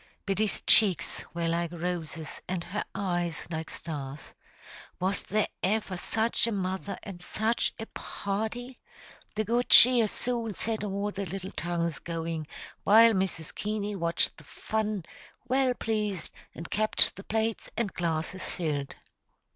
Biddy's cheeks were like roses, and her eyes like stars. Was there ever such a mother, and such a "party"? The good cheer soon set all the little tongues going, while Mrs. Keaney watched the "fun," well pleased, and kept the plates and glasses filled.